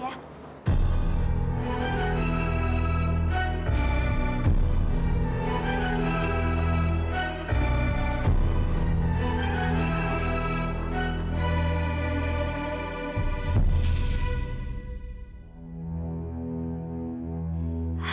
terima kasih ya